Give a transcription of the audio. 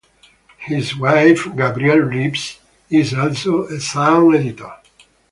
His wife, Gabrielle Reeves, is also a sound editor.